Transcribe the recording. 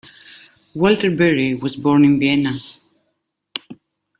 Walter Berry was born in Vienna.